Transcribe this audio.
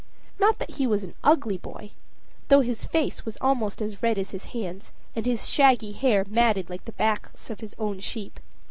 Not that he was an ugly boy though his face was almost as red as his hands, and his shaggy hair matted like the backs of his own sheep.